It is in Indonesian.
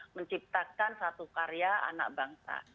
menciptakan satu karya anak bangsa